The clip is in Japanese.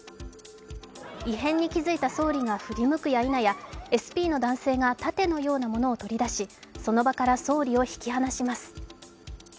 異変に気付いた総理が振り向くやいなやＳＰの男性が盾のようなものを取り出しその場から総理を引き離します。